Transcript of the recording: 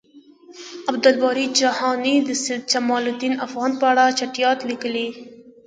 عبد الباری جهانی د سید جمالدین افغان په اړه چټیات لیکلی دی